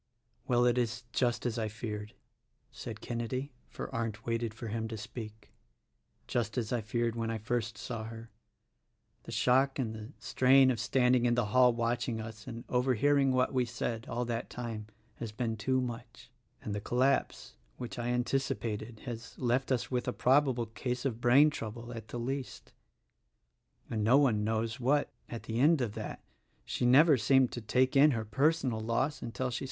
"Well, it is just as I feared," said Kenedy, — for Arndt waited for him to speak, — "just as I feared when I first saw her: the shock and the strain of standing in the hall watch ing us and overhearing what we said, all that time, has been too much ; and the collapse, which I anticipated has left us with a probable case of brain trouble, at the least: and no one knows what, at the end of that. She never seemed to take in her personal loss until she.